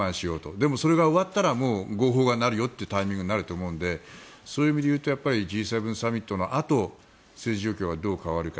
でもそれが終わったらもう号砲が鳴るよというタイミングになると思うのでそういう意味で言うとＧ７サミットのあと政治状況がどう変わるか。